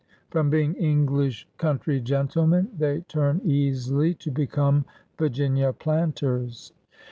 From being English coun try gentlemen they turn easily to become Virginia planters.